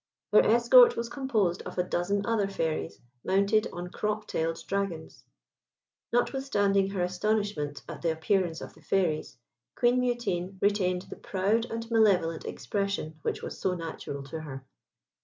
Her escort was composed of a dozen other Fairies, mounted on crop tailed dragons. Notwithstanding her astonishment at the appearance of the Fairies, Queen Mutine retained the proud and malevolent expression which was so natural to her.